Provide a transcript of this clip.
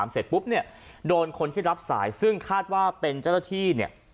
เสร็จปุ๊บเนี่ยโดนคนที่รับสายซึ่งคาดว่าเป็นเจ้าหน้าที่เนี่ย